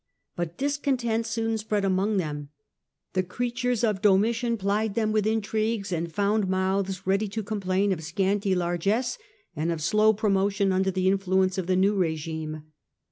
But The discontent soon spread among them ; the torians creatures of Domitian plied them with in trigues, and found mouths ready to complain of scanty largess and of slow promotion under the influence of the new regime.